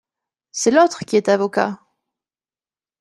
C'est l'autre qui est avocat !